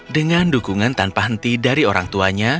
dengan dukungan tanpa henti dari orang tuanya